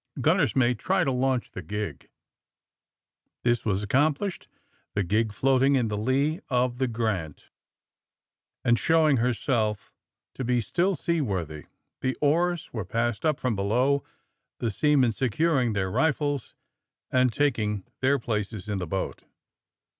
Gunner's mate, try to launch the This was accomplished, the gig floating in the lee of the ''Grant" and showing herself to be AND THE SMUGGLERS 123 still seaworthy. The oars were passed up from below, the seaman, securing their rifles and tak ing their places in the boat.